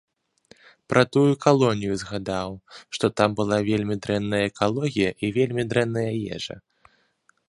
Пра тую калонію згадаў, што там была вельмі дрэнная экалогія і вельмі дрэнная ежа.